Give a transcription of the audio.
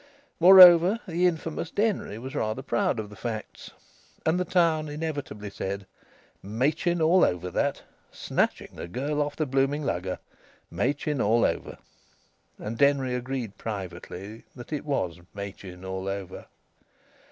Moreover, the infamous Denry was rather proud of the facts. And the town inevitably said: "Machin all over, that! Snatching the girl off the blooming lugger. Machin all over." And Denry agreed privately that it was Machin all over.